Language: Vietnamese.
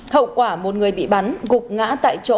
hậu quả một người bị bắn gục ngã tại chỗ